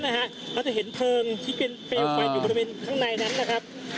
เราจะเห็นเพลิงที่เป็นเปลวไฟอยู่บริเวณข้างในนั้นนะครับ